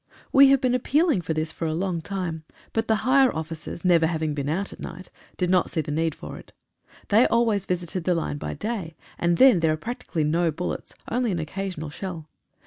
We have been appeal ing for this for a long time, but the higher officers, never having been out at night, did not see the need of it. They always visited the line by day, and then there are practically no bullets, only an occasional shell.